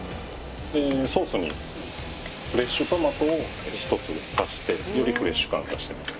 ソースにフレッシュトマトを１つ足してよりフレッシュ感を出してます